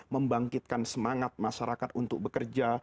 membangkitkan semangat masyarakat untuk bekerja